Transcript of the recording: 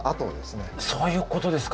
そういうことですか。